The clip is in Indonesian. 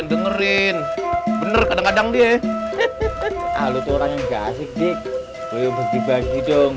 dengerin bener kadang kadang dia lalu turannya gak asik dik beli bergibah hidung